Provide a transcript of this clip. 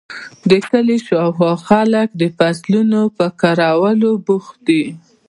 د کلي شااوخوا خلک د فصلونو په کرلو بوخت دي.